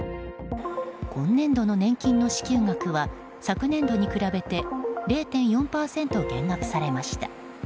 今年度の年金の支給額は昨年度に比べて０．４％減額されました。